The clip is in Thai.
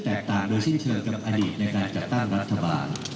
แตกต่างโดยสิ้นเชิงกับอดีตในการจัดตั้งรัฐบาล